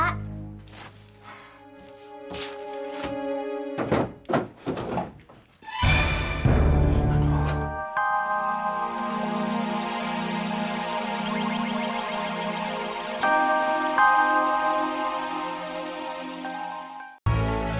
ya udah pak